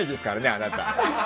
あなた。